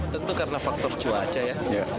tentu karena faktor cuaca ya